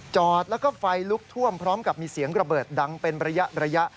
จอดแล้วก็ไฟลุกท่วมพร้อมกับมีเสียงระเบิดดังเป็นระยะ